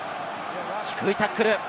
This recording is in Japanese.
低いタックル。